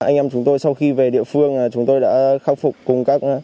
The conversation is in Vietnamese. anh em chúng tôi sau khi về địa phương chúng tôi đã khắc phục cùng các